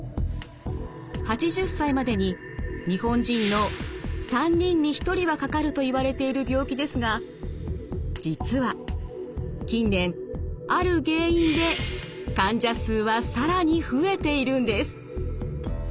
８０歳までに日本人の３人に１人はかかるといわれている病気ですが実は近年ある原因で患者数は更に増えているんです。